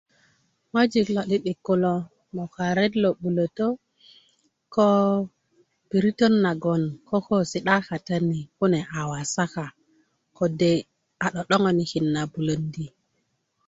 ŋojik lo'di'dik kulo moka re lo 'bulötö ko piritön nagon ko si'da kata ni kune a wasaka kode' a 'do'doŋonikin abulöndi